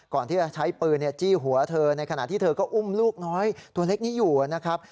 ก่อนที่จะใช้ปืนจี้หัวเธอในขณะที่เธอก็อุ้มลูกน้อยตัวเล็กนี้อยู่นะครับ